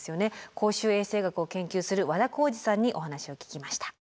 公衆衛生学を研究する和田耕治さんにお話を聞きました。